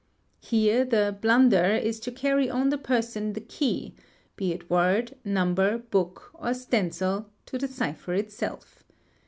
Here the "blunder" is to carry on the person ~ the key, be it word, number, book, or stencil, to the cipher itself.